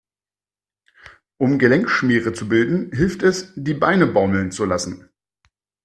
Um Gelenkschmiere zu bilden, hilft es, die Beine baumeln zu lassen.